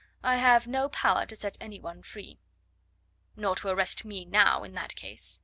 I have no power to set any one free." "Nor to arrest me now, in that case!"